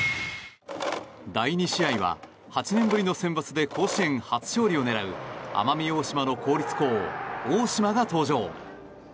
第２試合は８年ぶりのセンバツで甲子園初勝利を狙う奄美大島の公立校、大島が登場。